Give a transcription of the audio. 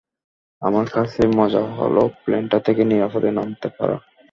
আমার কাছে মজা হল প্লেনটা থেকে নিরাপদে নামতে পারা।